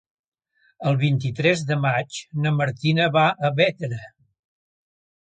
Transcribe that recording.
El vint-i-tres de maig na Martina va a Bétera.